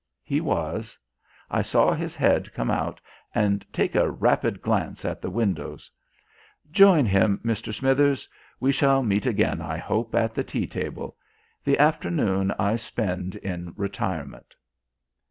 He was. I saw his head come out and take a rapid glance at the windows. "Join him, Mr. Smithers; we shall meet again, I hope, at the tea table. The afternoon I spend in retirement."